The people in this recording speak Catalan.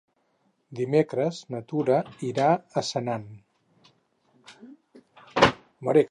Dimecres na Tura irà a Senan.